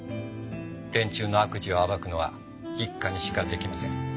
連中の悪事を暴くのは一課にしか出来ません。